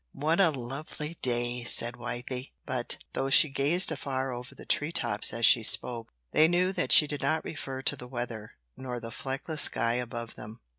"What a lovely day!" said Wythie, but, though she gazed afar over the tree tops as she spoke, they knew that she did not refer to the weather, nor the fleckless sky above them.